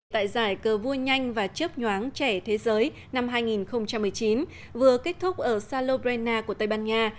tại giải cơ vua nhanh và chớp nhoáng trẻ thế giới năm hai nghìn một mươi chín vừa kết thúc ở salobrena của tây ban nha